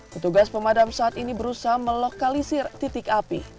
petugas pemadam saat ini berusaha melokalisir titik api